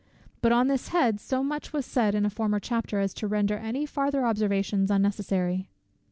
But on this head, so much was said in a former chapter, as to render any farther observations unnecessary.